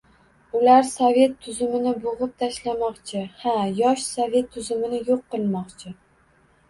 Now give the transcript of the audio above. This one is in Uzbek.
Ular sovet tuzumini bo‘g‘ib tashlamoqchi, ha, yosh sovet tuzumini yo‘q qilmoqchi.